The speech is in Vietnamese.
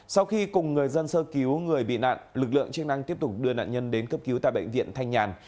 sau khi cùng người dân sơ cứu người bị nạn lực lượng chức năng tiếp tục đưa nạn nhân đến cấp cứu tại bệnh viện thanh nhàn